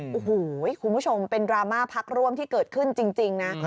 โอ้โหคุณผู้ชมเป็นดราม่าพักร่วมที่เกิดขึ้นจริงนะ